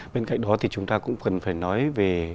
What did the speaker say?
bên cạnh đó thì chúng ta cũng cần phải nói về